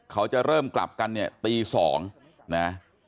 เขาจะเริ่มกลับกันเนี่ยตี๒นะ